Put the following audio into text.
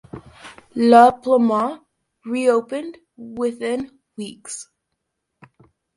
La Paloma reopened within weeks.